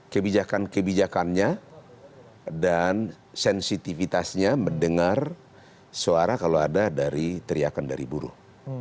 kebijakan kebijakannya dan sensitivitasnya mendengar suara kalau ada dari teriakan dari buruh